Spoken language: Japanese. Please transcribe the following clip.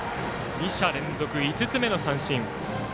２者連続５つ目の三振。